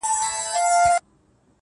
لکه باران را اورېدلې پاتېدلې به نه ،